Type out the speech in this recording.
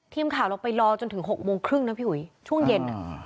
ทีมข่าวเราไปรอจนถึง๖โมงครึ่งนะพี่อุ๋ยช่วงเย็น